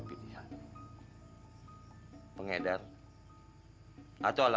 kita bisa berbicara